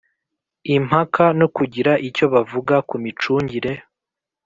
impaka no kugira icyo bavuga ku micungire